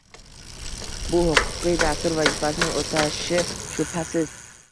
Bu huquqiy dastur vazifasini oʻtashi shubhasiz